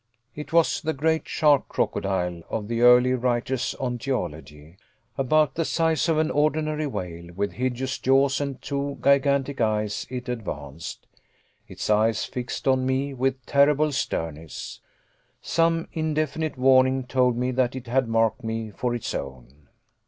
It was the great "shark crocodile" of the early writers on geology. About the size of an ordinary whale, with hideous jaws and two gigantic eyes, it advanced. Its eyes fixed on me with terrible sternness. Some indefinite warning told me that it had marked me for its own.